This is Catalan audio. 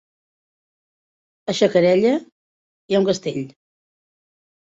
A Xacarella hi ha un castell?